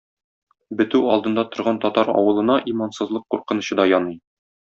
Бетү алдында торган татар авылына имансызлык куркынычы да яный.